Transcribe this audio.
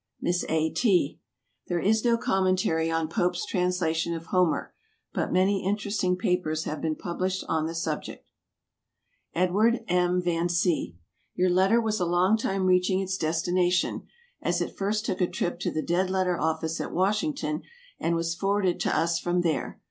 MISS A. T. There is no commentary on Pope's translation of Homer, but many interesting papers have been published on the subject. EDWARD M. VAN C. Your letter was a long time reaching its destination, as it first took a trip to the Dead letter Office at Washington, and was forwarded to us from there.